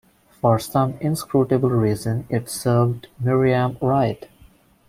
For some inscrutable reason it served Miriam right.